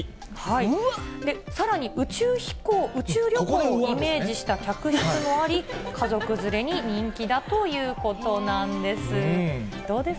さらに宇宙旅行をイメージした客室もあり、家族連れに人気だということなんです。